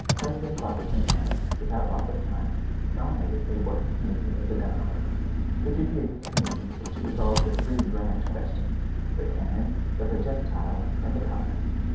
President Barbicane had, without loss of time, nominated a working committee of the Gun Club. The duty of this committee was to resolve the three grand questions of the cannon, the projectile, and the powder.